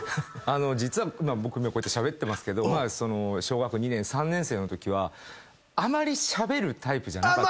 実は今しゃべってますけど小学２年３年生のときはあまりしゃべるタイプじゃなかった。